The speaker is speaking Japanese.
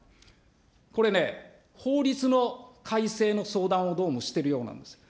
これね、法律の改正の相談を、どうもしてるようなんです。